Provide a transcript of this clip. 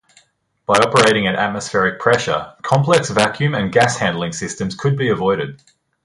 By operating at atmospheric pressure, complex vacuum and gas-handling systems could be avoided.